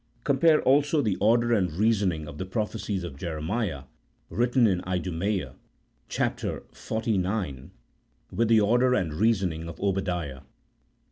Compare also the order and reasoning of the prophecies of Jeremiah, written inlduniEea (chap, xlix.), with the order and reasoning of Obadiah.